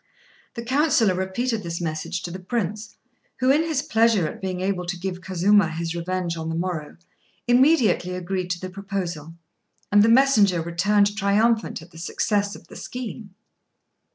The councillor repeated this message to the Prince, who, in his pleasure at being able to give Kazuma his revenge on the morrow, immediately agreed to the proposal, and the messenger returned triumphant at the success of the scheme.